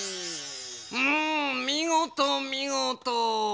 うんみごとみごと！